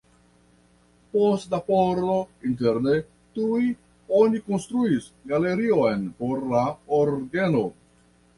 Post la pordo interne tuj oni konstruis galerion por la orgeno.